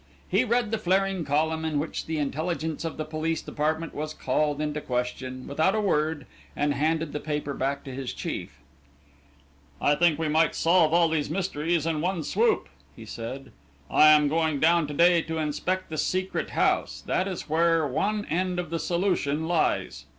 He read the flaring column in which the intelligence of the police department was called into question, without a word, and handed the paper back to his chief. "I think we might solve all these mysteries in one swoop," he said. "I am going down to day to inspect the Secret House that is where one end of the solution lies."